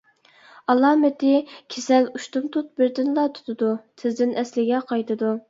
ئالامىتى كېسەل ئۇشتۇمتۇت بىردىنلا تۇتىدۇ، تېزدىن ئەسلىگە قايتىدۇ.